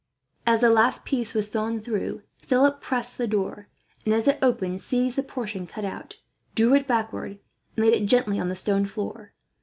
As the last piece was sawn through Philip pressed the door and, as it opened, seized the portion cut out, drew it backward, and laid it gently on the stone floor.